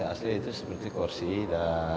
yang masih asli itu seperti kursi dan